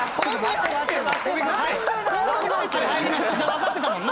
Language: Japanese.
わかってたもんな？